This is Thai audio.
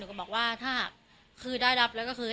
ก็บอกว่าถ้าหากคือได้รับแล้วก็คือ